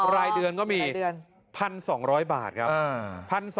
รายเดือนก็มี๑๒๐๐บาทครับ